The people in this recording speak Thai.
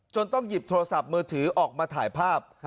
ต้องหยิบโทรศัพท์มือถือออกมาถ่ายภาพ